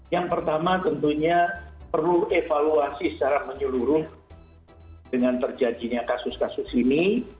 yang pertama tentunya perlu evaluasi secara menyeluruh dengan terjadinya kasus kasus ini